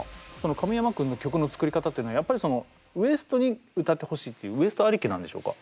神山君の曲の作り方っていうのはやっぱりそのＷＥＳＴに歌ってほしいっていうＷＥＳＴありきなんでしょうか？